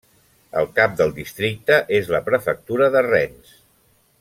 El cap del districte és la prefectura de Rennes.